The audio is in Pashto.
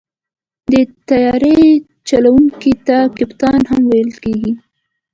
د طیارې چلوونکي ته کپتان هم ویل کېږي.